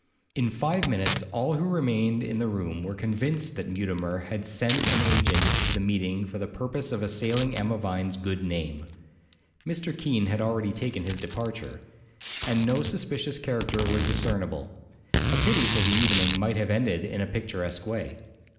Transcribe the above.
In five minutes all who remained in the room were convinced that Mutimer had sent an agent to the meeting for the purpose of assailing Emma Vine's good name. Mr. Keene had already taken his departure, and no suspicious character was discernible; a pity for the evening might have ended in a picturesque way.